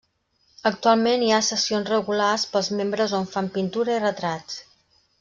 Actualment hi ha sessions regulars pels membres on fan pintura i retrats.